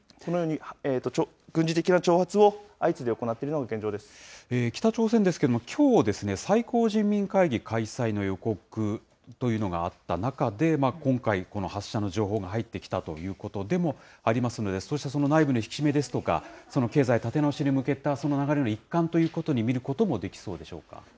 軍事的な挑発を相次いで行ってい北朝鮮ですけれども、きょう、最高人民会議開催の予告というのがあった中で、今回、この発射の情報が入ってきたということでもありますので、そうした内部の引き締めですとか、経済立て直しに向けた、その流れの一環ということに見ることもできそうでしょうか。